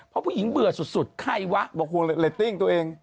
เพราะพวกฝ่ายเหลือสุดใครวะห่วงตะเรตติ้งตัวเอง